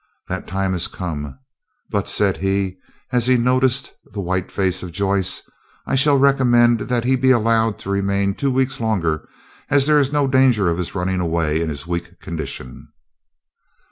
That time had come. "But," said he, as he noticed the white face of Joyce, "I shall recommend that he be allowed to remain two weeks longer, as there is no danger of his running away in his weak condition."